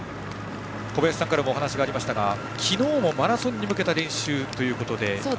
小林さんからもお話がありましたが昨日もマラソンに向けた練習ということで。